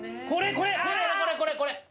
これこれこれ！